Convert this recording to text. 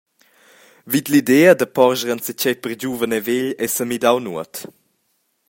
Vid l’idea da porscher enzatgei per giuven e vegl ei semidau nuot.